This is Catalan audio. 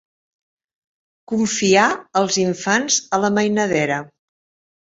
Confiar els infants a la mainadera.